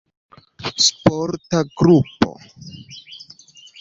Sporta grupo.